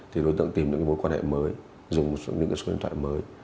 thì đối tượng tìm được mối quan hệ mới dùng những số điện thoại mới